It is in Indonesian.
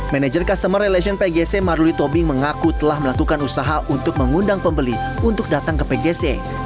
manager customer relation pgc maruli tobing mengaku telah melakukan usaha untuk mengundang pembeli untuk datang ke pgc